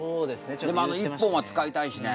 でもあの「一本」は使いたいしね。